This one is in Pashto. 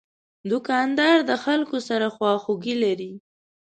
دوکاندار د خلکو سره خواخوږي لري.